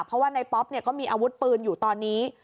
เพราะว่าในป๊อปก็มีอาวุธปืนอยู่ตอนนี้